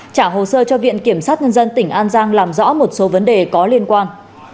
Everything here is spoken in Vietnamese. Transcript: trả hồ sơ cho viện kiểm sát nhân dân tỉnh an giang làm rõ một số vấn đề có liên quan